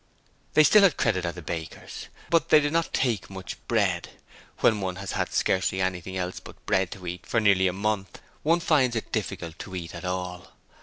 They still had credit at the baker's, but they did not take much bread: when one has had scarcely anything else but bread to eat for nearly a month one finds it difficult to eat at all.